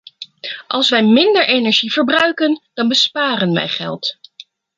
Als wij minder energie verbruiken, dan besparen wij geld.